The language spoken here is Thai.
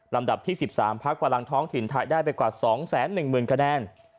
ลำดับที่๑๓พักพลังท้องถิ่นไทยได้ไปกว่า๒๑๐๐๐คะแนน